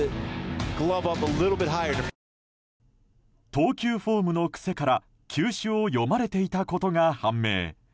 投球フォームの癖から球種を読まれていたことが判明。